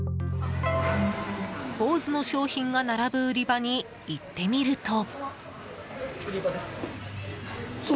ＢＯＳＥの商品が並ぶ売り場に行ってみると。